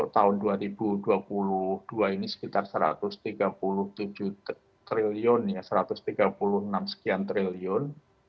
tahun dua ribu dua puluh dua ini sekitar satu ratus tiga puluh tujuh triliun satu ratus tiga puluh enam sekian triliun